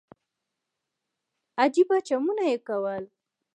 عجيبه چمونه يې کول.